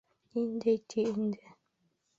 Ниндәй ти инде?..